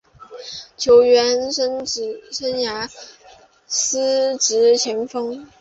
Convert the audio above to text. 球员生涯司职前锋。